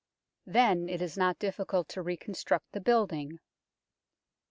Then it is not diffi cult to reconstruct the building.